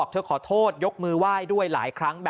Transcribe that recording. ขอบคุณครับ